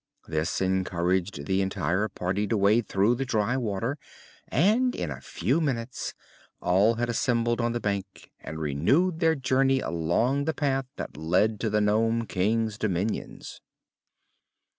This encouraged the entire party to wade through the dry water, and in a few minutes all had assembled on the bank and renewed their journey along the path that led to the Nome King's dominions.